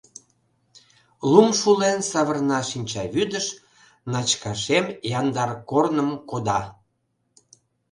Лум шулен савырна шинчавӱдыш, Начкашем яндар корным кода.